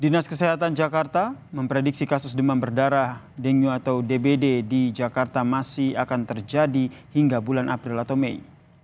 dinas kesehatan jakarta memprediksi kasus demam berdarah denyu atau dbd di jakarta masih akan terjadi hingga bulan april atau mei